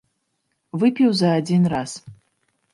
Выпіў за адзін раз.